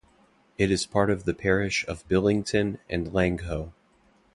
It is part of the parish of Billington and Langho.